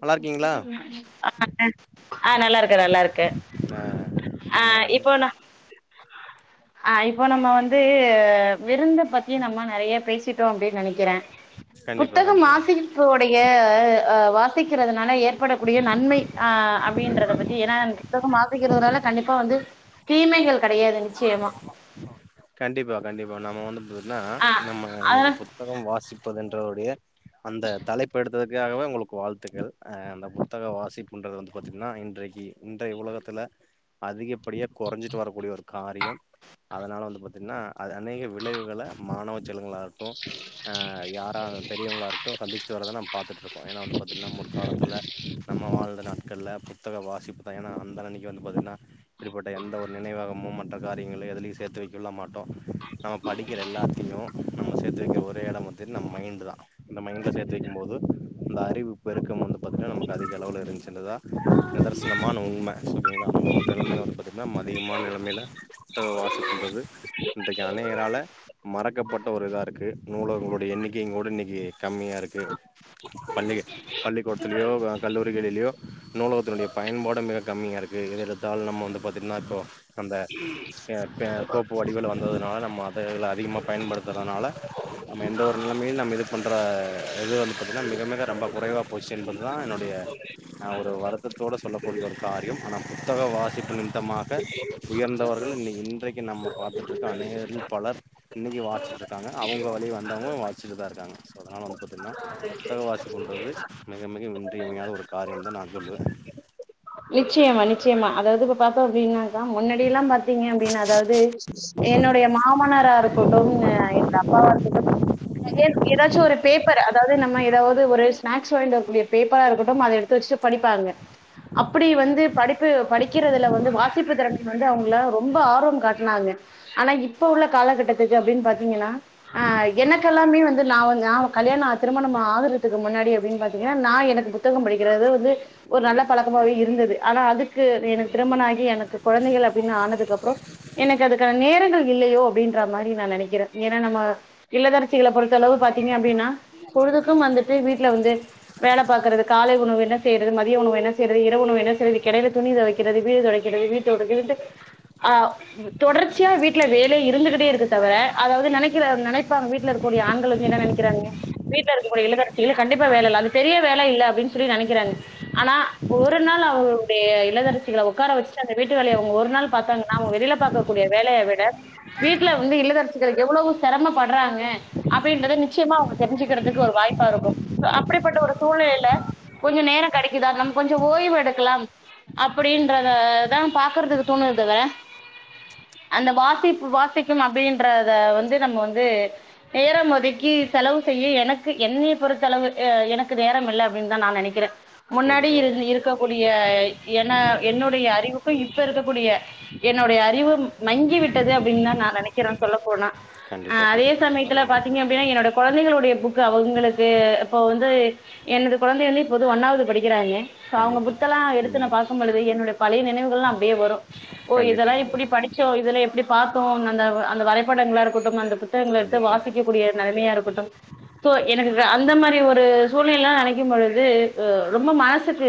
நல்லா இருக்கீங்களா ஆ ஆ நல்லாருக்கே நல்லாருக்கே ஆ இப்போ நா ஆ இப்போ நம்ம வந்து விருந்த பத்தியே நம்ம நெறைய பேசிட்டோ அப்டின்னு நெனைக்கிறே கண்டிப்பா புத்தகம் கண்டிப்பா வாசிகப்புவுடைய ஆ வா சிக்கறதுனால ஏற்படக்கூடிய நன்மை ஆ் அப்டின்றத பத்தி ஏனா புத்தகம் வாசிக்கிறதுனால கண்டிப்பா வந்து தீமைகள் கெடையாது நிச்சயமா கண்டிப்பா கண்டிப்பா நம்ம வந்து பாத்தன்னா ஆ நம்ம இன்னைக்கி அதனா புத்தகம் வாசிப்பதுன்றருடைய அந்த தலைப் பெடுத்ததுக்காகவே உங்களுக்கு வாழ்த்துக்கள் அந்த புத்தக வாசிப்புன்றது வந்து பாத்திங்கன்னா இன்றைக்கி இன்றைய உலகத்துல அதிகப்படியா கொறைஞ்சிட்டு வரக்கூடிய ஒரு காரியம் அதனால வந்துப் பாத்தீன்னா அது அநேக விளைவுகள மாணவச் செலவங்களாட்டு ஆ யாரா பெரியவங்களாக இருக்ட்டு சந்திச்ட்டு வரத நம் பாத்துட்ருக்கோ ஏன்னா வந்து பாத்தீங்கன்னா முற்காலத்துல நம்ம வாழ்ந்த நாட்கள்ல புத்தக வாசிப்புதா ஏன்னா அந்த அன்னைக்கி வந்து பாத்தீங்கன்னா இப்டிப்பட்ட எந்த ஒரு நினைவகமும் மற்ற காரியங்களை எதலயு சேத்துவை கொள்ள மாட்டோ நம படிக்கிற எல்லாத்தையு நம்ம சேத்து வெக்கிற ஒரே எடோ வத்தின் நம்ம மைண்டு தா இந்த மைண்ட சேத்து வைக்கும் போது இந்த அறிவு பெருக்கம் வந்து பாத்தின்னா நமக்கு அதிக அளவுல இருந்ச்சுன்னதா நிதர்சனம் மான உண்ம சரிங்களா [unintelligible] பாத்தின்னா அதிகமான நிலமைல புத்தகோ வாசிப் என்பது இன்றைக்கி அநேகரால மறக்கப்பட்ட ஒரு இதா இருக்கு நூலகங்களோடைய எண்ணிக்கைங் கூட இன்னிக்கி கம்மியா இருக்கு பள்ளிக பள்ளிக்கூடத்துலயோ வ கல்லூரிகளிலியோ நூலகத்தினுடைய பயன்பாடு மிக கம்மியா இருக் கு எத எடுத்தாலு நம்ம வந்து பாத்தீங்ன்னா இப்போ அந்த கே வடிவுல வந்ததுனால நம்ம அத இதல அதிகமா பயன்படுத்துறதுனால நம்ம எந்த ஒரு நிலமையு நம்ம இது பண்ற எது வந்து பாத்திங்னா மிக மிக ரொம்ப குறைவா போச்சு என்பது தா என்னுடைய நா ஒரு வருத்தத்தோடு சொல்லக்கூடிய ஒரு காரியம் ஆனா புத்தக வாசிப்பு நிமித்தமாக உயர்ந்தவர்கள் இன்னிக்கி இன் ன நம்ம பாத்துட்ருக்க அநேகரில் பலர் இன்னைக்கி வாச்சுட்ரு தாங்க அவ்ங்க வழி வந்தவங்க வாச்சிட்டுதா இருக்காங்க ஸோ அதனால வந்து பாத்தின்னா புத்தக வாசிப்புன்றது மிக மிக இன்றியமையாத ஒரு காரியம் தா நா ஜொல்லுவே நிச்சயமா நிச்சயமா அதாவது இப்ப பாத்தோ அப்டின்னாக்கா முன்னாடில்லா பாத்தீங்க அப்டின்னு அதாவது என்னுடைய மாமனாரா இருக்கட்டு அ எங்க அப்பாவா இருக்கட்டு எ ஏதாச்சு ஒரு பேப்பர் அதாவது நம்ம ஏதாவது ஒரு ஸ்நாக்ஸ் வாங்கிட்டு வரக்கூடிய பேப்பரா இருக்கட்டு அத எடுத்து வச்சுட்டு படிப்பாங்க அப்டி வந்து படிப்பு படிக்கிறதுல வந்து வாசிப்பு தெறமையில வந்து அவங்கள ரொம்ப ஆர்வம் காட்டுனாங்க ஆனா இப்ப உள்ள காலகட்டத்துக்கு அப்டின் பாத்தீங்கன்னா அ எனக்கெல்லாமே வந் து நாவு நாவ் கல்யாணா திருமணம் ஆகுறதுக்கு முன்னாடி எப்டின் பாத்தீங்கன்னா நா எனக்கு புத்தகம் படிக்கிறது வந்து ஒரு நல்ல பழக்கமாவே இருந்தது ஆனா அதுக்கு எனக் திருமணாகி எனக்கு கொழந்தைகள் அப்டின்னு ஆனதுக்கு அப்றோ எனக்கு அதுக்கான நேரங்கள் இல்லையோ அப்டின்ற மாரி நா நெனைக்கிறே ஏன்னா நம்ம இல்லதரசிகள பொறுத்த அளவு பாத்தீங்க அப்டின்னா பொழுதுக்கு வந்துட்டு வீட்ல வந்து வேல பாக்கறது காலை உணவு என்ன செய்றது மதிய உணவு என்ன செய்றது இரவு உணவு என்ன செய்யறது இதுக்கெடையில துணி தொவைக்கிறது வீடு தொடக்கிறது வீட்ட விட்டு கில்ட்டு ஆ ம் தொடர்ச்சியா வீட்ல வேல இருந்துகிட்டே இருக்கு தவர அதாவது நெனைக்கிற நெனைப்பாங் வீட்ல இருக்கக்கூடிய ஆண்கள் வந்து என்ன நென க்கிறாங்க வீட்ல இருக்கக்கூடிய இல்லத்தரசிகள் கண்டிப்பா வேல இல்ல அது பெரிய வேல இல்ல அப்படின் சொல்லி நெனைக்கிறாங்க ஆனா ஒரு நாள் அவங்களுடைய இளவரசிகள உக்கார வச்சுட்டு அந்த வீட்டு வேலய அவங்க ஒரு நாள் பாத்தாங்கன்னா அவங்க வெளில பாக்க கூடிய வேலய விட வீட்ல வந்து இல்லத்தரசிகளுக்கு எவ்வளோ செரமப்பட்றாங்க அப்படின்றத நிச்சயமா அவங்க தெரிஞ்சுக்குறதுக்கு ஒரு வாய்ப்பா இருக்கும் அப்படிப்பட்ட ஒரு சூழ்நிலையில கொஞ்ச நேர கெடைக்குதா கம் கொஞ்ச ஓய்வு எடுக்கலாம் அப்படின்றத தா பாக்குறதுக்கு தோணுதுல அந்த வாசிப்பு வாசிக்கும் அப்படின்ற த வந்து நம்ம வந்து நேரம் ஒதுக்கி செலவு செய்ய எனக்கு என்னிய பொறுத்தளவு அ எனக்கு நேரம் இல்ல அப்படின்னு தா நா நெனை கிறே பொதுவா இருக்கக்கூடிய ஏனா என்னுடைய அறிவுக்கு இப்ப இருக்கக்கூடிய என்னுடைய அறிவு மங்கி விட்டது அப்டின்னு தா நா நெனைக்கிறே சொல்ல போனா ஆ கண்டிப்பா அதே கண்டிப்பா சமயத்துல பாத்தீங்க அருமையான அப்டின்னா என்னோட கொழந்தைகளுடைய புக்கு அவுங்களுக்கு இப்போ வந்து என்னோட கொழந்தை வந்து இப்போது ஒன்னாது படிக்கிறாங்க இப்ப அவுங்க கண்டிப்பா புத்தெல்லா எடுத்து நா ம் பாக்கும்பொழுது என்னுடைய பழய நினைவுகள்ல்லா அப்டியே வரு ஓ கண்டிப்பா இதெல்லா இப்டி கண்டிப்பா படிச்சோ இதெலா எப்டி பாத்தோ அந்த அந்த வரைபடங்களாருக்கட்டு அந்த புத் தகங்கள்எடுத்து கண்டிப்பா வாசிக்கக்கூடிய நெலமயாயிருக்கட்டு ஸோ எனக்கு அந்த மாரி ஒரு சூழ்நிலைல்லா நெனைக்கு பொழுது அ ரொம்ப மனசுக்கு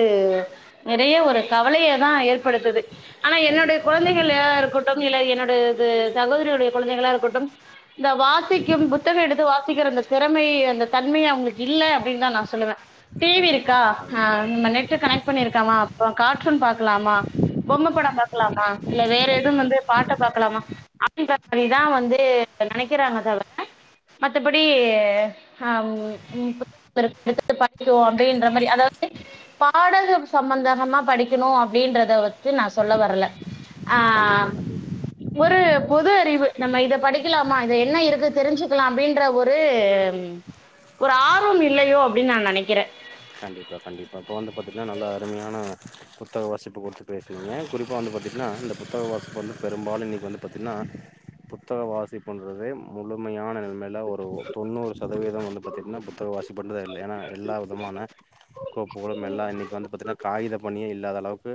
நெறைய ஒரு கவலைய தா ஏற்படுத்துது ஆனா என்னுடைய கண்டிப்பா கண்டிப்பா கொழந்தைகளாருக்கட்டும் இல்ல என்னுடைய இது சகோதரியுடைய கொழந்தைகளாருக்கட்டும் இந்த வாசிக்கும் புத்தகோ எடுத்து வாசிக்கிற இந்த தெறமை அந்த தன்மையே அவுங்களுக்கு இல்ல அப்டின்னு தா நா சொல்லுவே டிவி கண்டிப்பா‌ இருக்கா ஆ ஆ கண்டிப் நம்ம நெட் கனெக்ட் பண்ணிருக்கமா அப்றோ கார்ட்டூன் பாக்கலாமா பொம்ம பட பாக்கலாமா இல்ல வேற எது கண்டிப்பா வந்து பாட்ட பாக்கலாமா அப்டின்ற மாரிதா வந்து நெனைக்கிறாங்க தவிர மத்தபடி ஆ புத்தகம் இருக்கு எடுத்து பண்ணிடுவோ அப்டின்ற மாரி அதா எ பாடகம் சம்மந்தனமா படிக்கணு அப்டின்றத வந்து நா சொல்ல வர்ல ஆ கண்டிப்பா கண்டிப்பா ஒரு பொது அறிவு நம்ம இத படிக்கலாமா இத என்ன இருக்கு தெரிஞ்சுக்கலா அப்படின்ற ஒரு ம் ஒரு ஆர்வம் இல்லையோ அப்டின் நா நெனைக்கிறே கண்டிப்பா கண்டிப்பா இப்ப வந்து பாத்திங்னா நல்லா அருமையான புத்தக வாசிப்பு கொடுத்துட்டு நம்மஏ குறிப்பா வந்து பாத்திக்ன்னா இந்த புத்தக வாசிப்பு வந்து பெரும்பாலு இன்னிக்கு வந்து பாத்தின்னா புத்தக வாசிப்புன்றதே முழுமையான முன்னல்லா ஒரு தொண்ணூறு சதவீதோ வந்து பாத்திட்னா புத்தக வாசிப்புன்றதே இல்ல ஏனா எல்லா விதமான கோப்புகளும் எல்லா இன்னைக்கு வந்து பாத்தினா காகித பணியே இல்லாதளவுக்கு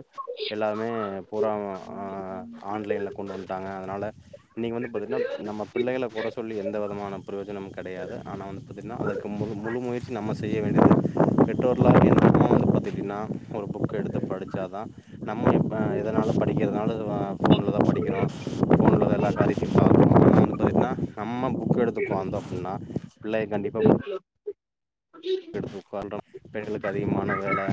எல்லாமே பூரா ஆ ஆன்லைன்ல கொண்டு வந்ட்டாங்க அதனால இன்னைக்கு வந்து பாத்திங்னா நம்ம பிள்ளைகள கொற சொல்லி எந்த வெதமான ப்ரோ யஜனம் கெடையாது ஆனா வந் பாத்துட்ன்னா அதற்கு முழு முழு முயற்சி நம்ம செய்ய வேண்டியது பெற்றோர்லா [inaudible] வந்து பாத்துட்டின்னா ஒரு புக்க எடுத்து படிச்சா தா நம்ம இப்ப எதனாலு படிக்கிறதுனாலு ஆ ஃபோன்ல தா படிக்கிறோ ஃபோன்ல தா எல்லா காரியத்தையு பாக்குறோ அத பாத்திங்கனா நம்ம புக் புக் எடுத்துக்கு வந்தோ அப்டின்னா பிள்ளய கண்டிப்பா பு க் எடுத்து ஒக்காந்தோ பெண்களுக்கு அதிகமான வேல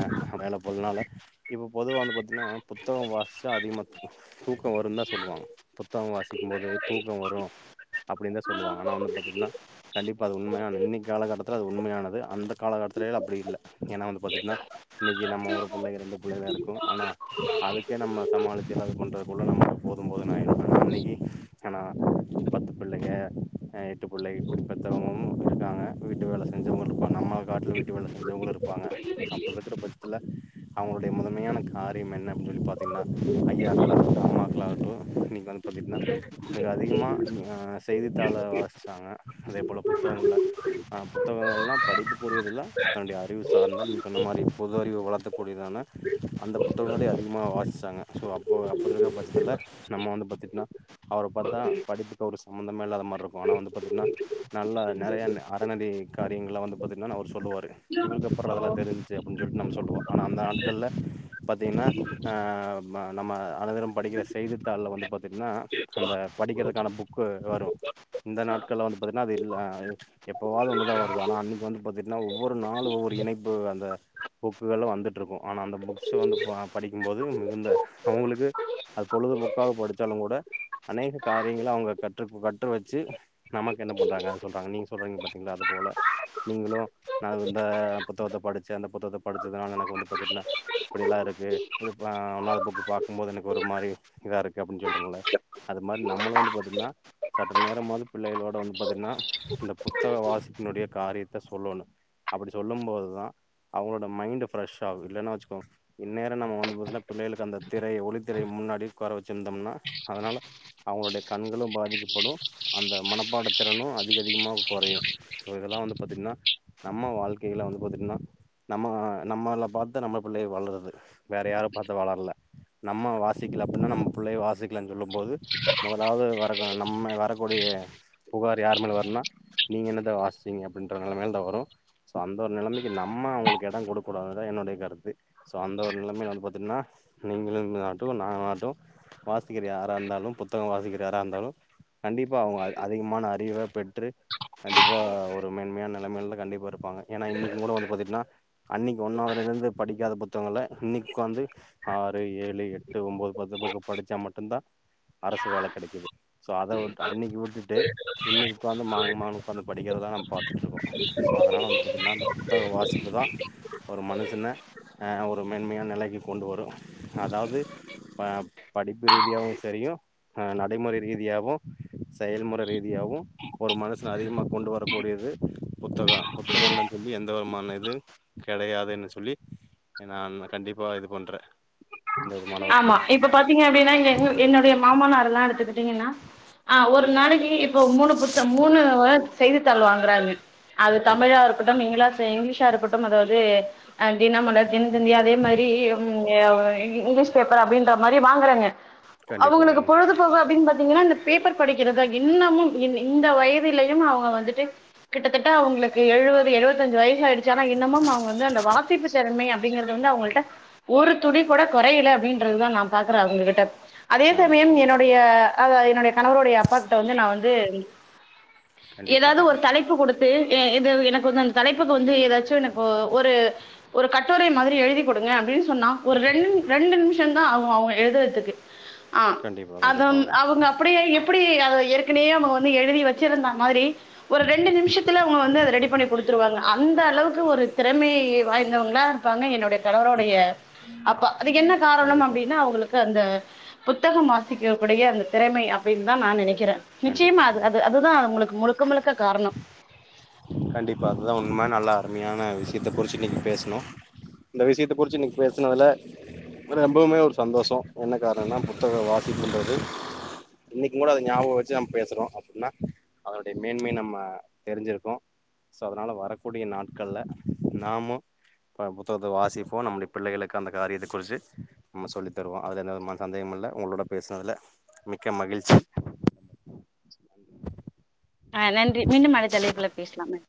வேல போதுனால இப்போ பொதுவா வந்து பாத்தீன்னா புத்தகோ வாச்சா அதிகமா தூக்கோ வரு தா சொல்லுவாங்க புத்தகோ வாசிக்கு போது தூக்கோ வரு அப்டின் தா சொல்லுவாங்க ஆனா வந்து பாத்திட்னா கண்டிப்பா அது உண்மயான இன்னக்கி காலகட்டத்துல அது உண்மயானது அந்த காலக்கட்டத்திலலா அப்டி இல்ல ஏன்னா வந்து பாத்திட்னா இன்னக்கி நம்ம ஒரு புள்ளய ரெண்டு புள்ள தாருக்கு ஆனா அதுக்கே நம்ம சமாளிச்சு எதாது பண்றது போல நம்ம போது போதுன்னு ஆயிடு இன்னக்கி ஆனா பத்து புள்ளைங்க எட்டு புள்ளை பெத்தவங்களு இருக்காங்க வீட்டு வேல செஞ்சவங்களுருப்பா அம்மாவ காட்டிலு வீட்டு வேல செஞ்சவங்களுருப்பாங்க அப்டி இருக்குற பட்சத்துல அவுங்களுடைய முதன்மையான காரியம் என்ன அப்டி சொல்லி பாத்தீங்கன்னா ஐயாக்களாகட்டு அம்மாக்களாகட்டு நீ ங்க பாத்திட்னா இன்னக்கி அதிகமா ஆ செய்தித்தாள வாச்சாங்க அதே போல புத்தகங்கள அ புத்தகங்கள்லா படிப்புக்குரியதெல்லா தன்னுடைய அறிவு சார்ந்த நீங்க சொன்ன மாரி பொது அறிவு வளர்த்தக்கூடியதான அந்த புத்தகங்கள அதிகமா வாசிச்சாங்க ஸோ அப்போ அப்டி இருக்க பட்சத்தில நம்ம வந்து பாத்திட்னா அவர பாத்தா படிப்புக்கு அவரு சம்மந்தமே இல்லாத மார்ருக்கு ஆனா வந்து பாத்திட்ன்னா நல்லா நெறைய அறநெறி காரியங்களா வந்து பாத்திட்னா அவுரு சொல்லுவாரு இவருக்கு எப்டிடா இதெல்லா தெரிஞ்சு அப்டின் சொல்ட்டு நம்ம சொல்லுவோ ஆனா அந்த நாட்கள்ல பாத்தீங்ன்னா ஆ நம்ம அனைவரு படிக்கிற செய்தித்தாள்ல வந்து பாத்திட்ன்னா அந்த படிக்கிறக்கான புக்கு வரு இந்த நாட்கள வந்து பாத்தீங்கன்னா அது இல்ல ஆ எப்பவாவது ஒன்னுதா வருது ஆனா அன்னை இப்ப வந்து பாத்துட்டீனா ஒவ்வொரு நாளு ஒவ்வொரு இணைப்பு அந்த புக்ஸுகள்லா வந்துட்டு இருக்கு ஆனா அந்த புக்ஸ் ப படிக்கும் போது மிகுந்த அவுங்களுக்கு அது பொழுதுபோக்காக படிச்சாலுங்கூட அநேக காரியங்கள அவங்க கற்று கற்று வெச்சு நமக்கென்ன பண்றாங்க அது சொல்றாங்க நீங்க சொல்றீங்க பாத்தீங்களா அது போல நீங்களு நா இந்த புத்தகத்த படிச்சே அந்த புத்தகத்தப் படிச்சதுனால எனக்கு வந்து பாத்துட்னா இப்டில்லா இருக்கு இப்டி ஆ ஒன்னாவது புக்கு பாக்கும் போது எனக்கு ஒரு மாரி இதா இருக்கு அப்டின்னு சொல்றோம்ல அது மாரி நம்மளு வந்து பாத்தீங்னா சற்று நேரமாது பிள்ளைகளோட வந்து பாத்தீங்னா இந்த புத்தக வாசிப்பினுடைய காரியத்த சொல்லணு அப்டி போதுதா அவங்களோட மைண்டு் ஃப்ரெஷ்ஷாகு இல்லன்னா வச்சுக்கோ இந்நேரொ நம்ம வந்து பாத்தோம்னா பிள்ளைகளுக்கு அந்தத் திரை ஒளித் திரை முன்னாடி உக்கார வெச்சிருந்தோம்னா அதனால அவங்களுடைய கண்களும் பாதிக்கப்படு அந்த மனப்பாடத் திறனு அதிகதிகமா கொறையு சோ இதெல்லா வந்து பாத்தீங்கன்னா நம்ம வாழ்க்கைல வந்து பாத்துட்னா நம்ம நம்மளப் பாத்து நம்ம பிள்ளை வளருது வேற யாரப் பாத்து வளர்ல நம்ம வாசிக்கல அப்டின்னா நம்ம பிள்ளைய வாசிக்கலன்னு சொல்லும் போது முதலாவது வர நம்ம வரக்கூடிய புகார் யாரு மேல வருனா நீங்க என்னத்த வாச் ங்க அப்டின்ற நெலமைல தா வரு ஸோ அந்த ஒரு நெலமைக்கு நம்ம அவுங்களுக்கு எடோ கொடுக்கூடாது தா என்னுடைய கருத்து ஸோ அந்த ஒரு நெலமைல வந்து பாத்திட்ன்னா நீங்களுனாட்டு நானாட்டு வாசிக்கிற யாராருந்தாலு புத்தகோவாசிக்கிற யாராருந்தாலு கண்டிப்பா அவுங்க அதிகமான அறிவ பெற்று கண்டிப்பா ஒ ஒரு மேன்மையான நெலைமைலதா கண்டிப்பா இருப்பாங்க ஏனா இன்னக்கி மொற வந்து பாத்திட்ன்னா அன்னக்கி ஒன்னாவதுலருந்து படிக்காத புத்தகங்கள இன்னக்கி ஒக்காந்து ஆறு ஏழு எட்டு ஒம்போது பத்து பக்க படிச்சா மட்டுந்தான் அரசு வேல கெடைக்குது சோ அத விட் அன்னைக்கு விட்டுட்டு இன்னைக்கு உட்காந்து மாங்கு மாங்னு உட்காந்து படிக்கிறதா நா பாத்துட்டுருக்கோ ஸோ அதனால வந்து பாத்தீங்கன்னா இந்த புத்தக வாசிப்பு தா ஒரு மனுசன அ ஒரு மேன்மையான நெலைக்கு கொண்டு வரு அதாது ஆ படிப்பு ரீதியாவு சரியு ஆ நடைமுறை ரீதியாவு செயல்முற ரீதியாவு ஒரு மனுஷன அதிகமா கொண்டு வர கூடியது புத்தகோ புத்தகந்தாஞ் சொல்லி எந்த வருமான எதுங் கெடையாதுன்னு சொல்லி எனா நான் கண்டிப்பா இது பண்றே எந்த விதமான ஒரு ஆமா இப்ப பாத்தீங்க அப்டின்னா இங்க என்னு என்னுடைய மாமனாரெல்லா எடுத்துக்கிட்டீங்கன்னா ஆ ஒரு நாளைக்கு இப்போ மூணு புத்த மூணு அ செய்தித்தாள் வாங்கறாங்க அது தமிழா கண்டிப்பா இருக்கட்டும் இங்கலாஷ் இங்கிலீஷா இருக்கட்டும் அதாது அ தினமலர் தினத்தந்தியா அதே மாரி ம் ஏ இங் இங்கிலீஷ் பேப்பர் அப்டின்ற மாரி வாங்கறாங்க கண்டிப்பாங்க அவுங்களுக்குப் பொழுது அனுபவம் அப்டினு பாத்தீங்கன்னா இந்த பேப்பர் படிக்கிறதா இன்னமும் இந் இந்த வயதிலயும் அவுங்க வந்துட்டு கிட்டத்தட்ட அவுங்களுக்கு எழுவது எழுவத்தஞ்சு வயசாயிடுச்சு ஆனா இன்னமும் அவூங்க வந்து அந்த வாசிப்பு திறமை அப்டிங்கிறது வந்து அவங்கள்ட ஒரு துளி கூட கொறையல அப்டின்றது தா நா பாக்கற அவுங்ககிட்ட அதே ஆமா சமயம் என்னோட ஆமா என்னுடைய அதா என்னுடைய கணவரோடைய அப்பா கிட்ட வந்து நா வந்து கண்டிப்பா ஏதாது கண்டிப்பா ஒரு தலைப்பு குடுத் து இது எனக்கு வந்து அந்த தலைப்புக்கு வந்து ஏதாச்சு எனக்கு ஒரு ஒரு கட்டுரை மாதிரி எழுதிக் குடுங்க அப்டின்னு சொன்னா ஒரு ரெண் ரெண்டு நிமிஷ தா அவுங்க அவுங்க எழுதுறதுக்கு ஆ கண்டிப்பா அத கண்டிப்பாங்க. அவுங்க அப் அப்டியே எப்டி அத ஏற்கனயே அவூங்க வந்து எழுதி வெச்சிருந்தா மாரி ஒரு ரெண்டு நிமிஷத்துல அவுங்க வந்து அத ரெடி பண்ணி குடுத்துருவாங்க அந்த அளவுக்கு ஒரு திறமை வாய்ந்தவங்ளா ப்பாங்க என்னுடைய கணவருடைய அப்பா அதுக்கு என்ன காரணம் கண்டிப்பா, அப்டின்னா அவுங்களுக்கு அந்த புத்தகம் வாசிக்கக்கூடிய அந்தத் திறமை அப்டின்னு தா நா நெனைக்கிறே கண்டிப்பா, நிச்சயமா அது அது கண்டிப்பா. அதுதா அங்குளுக்கு முழுக்க முழுக்க காரணோ கண்டிப்பா அது தா உண்ம நல்ல அருமையான விஷயத்த குறிச்சு இனிக்கி பேசுணோ இந்த விஷயத்த குறிச்சு இன்னிக்கி பேசுனதுல எனக்கு ரொம்பவுமே ஒரு சந்தோஷோ என்ன காரணம்னா புத்தக வாசிப்புன்றது இன்னைக்கு கூட அத ஞாபகம் வச்சு நம்ம பேசுறோ அப்டின்னா அதனுடைய மேன்மை நம்ம தெரிஞ்சிருக்கோம் சோ அதனால வரக்கூடிய நாட்கள்ல நாமு இப்போ புத்தகத்த வாசிப்போ நம்முடைய பிள்ளைகளுக்கு அந்த காரியத்த குறிச்சி நம்ம சொல்லி தருவோ அதுல எந்த சந்தேகமும் இல்ல உங்களோட பேசுனதுல மிக்க மகிழ்ச்சி ஆ நன்றி மீண்டும் அடுத்த ஆழைப்புல பேசலாமே